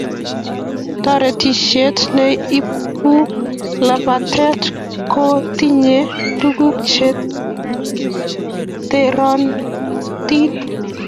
Toretishe ne ibuu labatee kotinye tukuk che terotin.